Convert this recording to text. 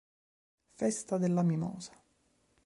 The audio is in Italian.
Festa della mimosa